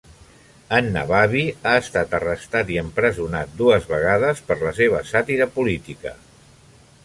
En Nabavi ha estat arrestat i empresonat dues vegades per la seva sàtira política.